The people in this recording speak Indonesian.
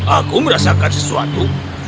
aku merasakan sesuatu